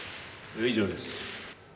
以上です。